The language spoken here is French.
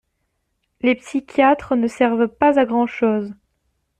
Les psychiatres ne servent pas à grand chose.